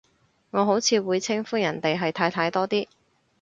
我好似會稱呼人哋係太太多啲